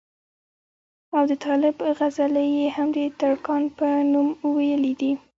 او د طالب غزلې ئې هم دترکاڼ پۀ نوم وئيلي دي